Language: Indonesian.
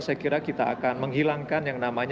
saya kira kita akan menghilangkan yang namanya